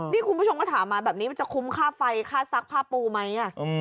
นี่คุณผู้ชมก็ถามมาแบบนี้มันจะคุ้มค่าไฟค่าซักผ้าปูไหม